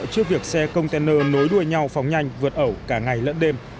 trước việc xe container nối đuôi nhau phóng nhanh vượt ẩu cả ngày lẫn đêm